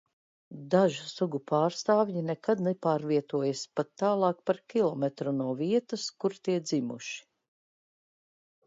Dažu sugu pārstāvji nekad nepārvietojas pat tālāk par kilometru no vietas, kur tie dzimuši.